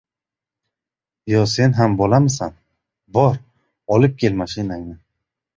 — Yo sen ham bolamisan? Bor, olib kel mashinangni.